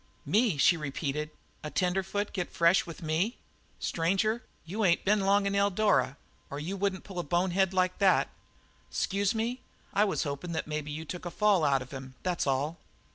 "Me?" she repeated. "A tenderfoot get fresh with me? Stranger, you ain't been long in Eldara or you wouldn't pull a bonehead like that." "'Scuse me. I was hopin' that maybe you took a fall out of him, that's all."